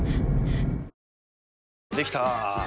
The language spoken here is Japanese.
できたぁ。